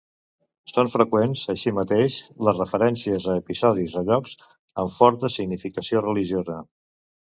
Són freqüents, així mateix, les referències a episodis o llocs amb forta significació religiosa.